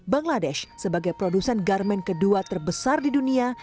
bangladesh sebagai produsen garmen kedua terbesar di dunia